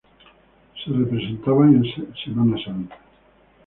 Se representaban en Semana Santa.